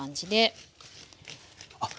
あっ